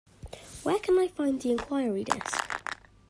Where can I find the enquiry desk?